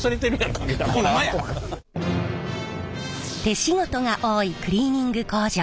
手仕事が多いクリーニング工場。